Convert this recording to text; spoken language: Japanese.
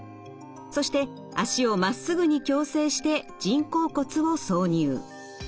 そして脚をまっすぐに矯正して人工骨を挿入。